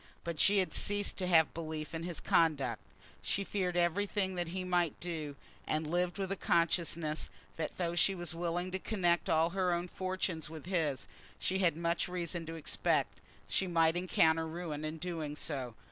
But she had ceased to have belief in his conduct. She feared everything that he might do, and lived with a consciousness that though she was willing to connect all her own fortunes with his, she had much reason to expect that she might encounter ruin in doing so.